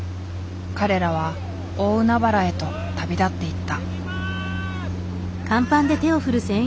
彼らは大海原へと旅立っていった。